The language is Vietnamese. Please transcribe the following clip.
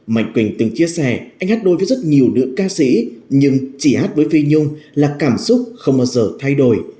mạnh quỳnh từng chia sẻ anh hát đôi với rất nhiều nữ ca sĩ nhưng chỉ hát với phi nhung là cảm xúc không bao giờ thay đổi